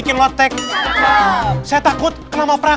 kalian yakin emangnya